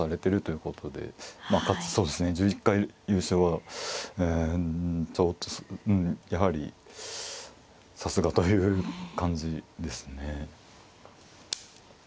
まあかつそうですね１１回優勝はうんやはりさすがという感じですね。